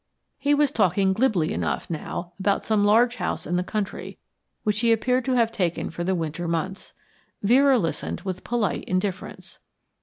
He was talking glibly enough now about some large house in the country which he appeared to have taken for the winter months. Vera listened with polite indifference.